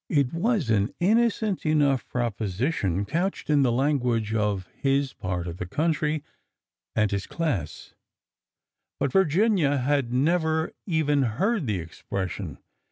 " It was an innocent enough proposition, couched in the language of his part of the country and his class, but 82 ORDER NO. 11 Virginia had never even heard the expression.